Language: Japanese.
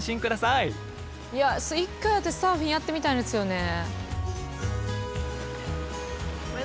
いや１回私サーフィンやってみたいんですよね。